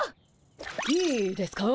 いいですかぁ？